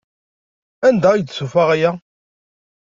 Anda ay d-tufa aya?